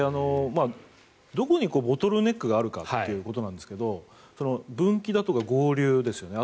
どこにボトルネックがあるかということなんですが分岐だとか合流ですよね。